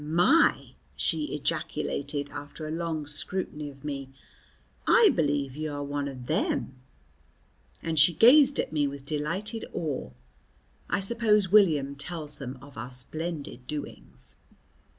"My," she ejaculated after a long scrutiny of me, "I b'lieve you are one of them!" and she gazed at me with delighted awe. I suppose William tells them of our splendid doings.